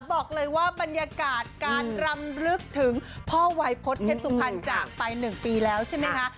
บอกเลยว่าบรรยากาศการรำลึกถึงพ่อวัยพฤตเพชรสุมพันธ์จากไปหนึ่งปีแล้วใช่ไหมคะ